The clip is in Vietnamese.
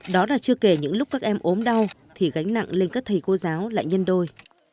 đó là chưa kể những lúc các em ốm đau thì gánh nặng lên các thầy cô giáo lại nhân đôi